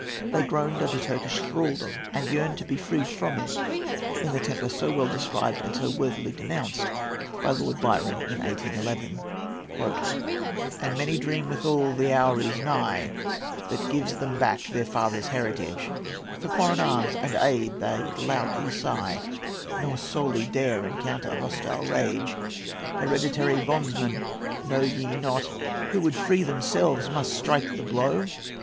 They groaned under Turkish thraldom, and yearned to be freed from it, in the temper so well described and so worthily denounced by Lord Byron in 1811:— "And many dream withal the hour is nigh That gives them back their fathers' heritage: For foreign arms and aid they loudly sigh, Nor solely dare encounter hostile rage. Hereditary bondsmen! know ye not Who would be free themselves must strike the blow?